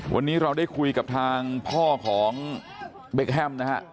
วันนี้เราได้คุยกับทางพ่อของเบคแฮมนะฮะ